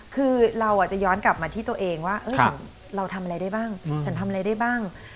คือเราจะย้อนกลับมาที่ตัวเองว่าฉันเราทำอะไรได้บ้างฉันทำอะไรได้บ้าง